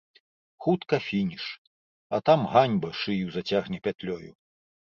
Хутка фініш, а там ганьба шыю зацягне пятлёю.